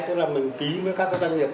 tức là mình ký với các doanh nghiệp